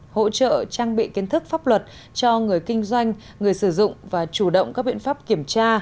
hỗ trợ trang bị kiến thức pháp luật cho người kinh doanh người sử dụng và chủ động các biện pháp kiểm tra